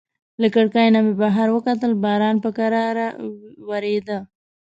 له کړکۍ نه مې بهر وکتل، باران په کراره وریده.